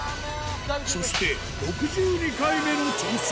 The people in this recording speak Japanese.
そして６２回目の挑戦